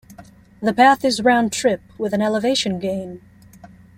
The path is round trip, with a elevation gain.